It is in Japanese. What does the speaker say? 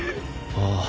ああ